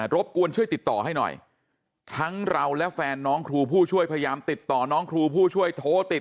บกวนช่วยติดต่อให้หน่อยทั้งเราและแฟนน้องครูผู้ช่วยพยายามติดต่อน้องครูผู้ช่วยโทรติด